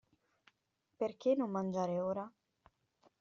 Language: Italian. Perché non mangiare ora?